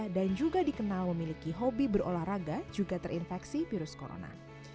dan juga dikenal memiliki hobi berolahraga juga terinfeksi virus corona